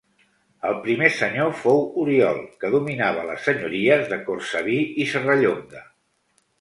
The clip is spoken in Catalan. El primer senyor fou Oriol, que dominava les senyories de Cortsaví i Serrallonga.